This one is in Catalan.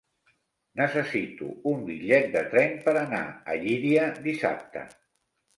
Necessito un bitllet de tren per anar a Llíria dissabte.